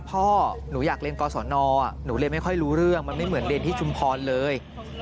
พ่อหนูอยากเรียนกศนหนูเรียนไม่ค่อยรู้เรื่องมันไม่เหมือนเรียนที่ชุมพรเลย